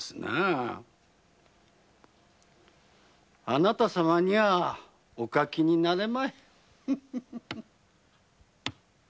あなた様にはお描きになれまい。